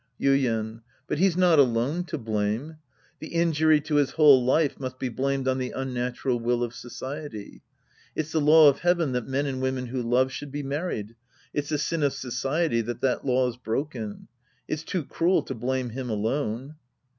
Yuien. But he's not alone to blame. The injury to his whole life must be blamed on the unnatural will of society. It's the law of heaven that men and women who love should be married. It's the sin of society that that law's broken. It's too cruel to blame him alone.